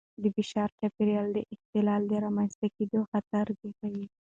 د فشار چاپېریال د اختلال د رامنځته کېدو خطر زیاتوي.